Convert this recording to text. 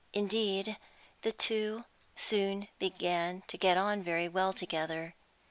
Indeed, the two soon began to get on very well together.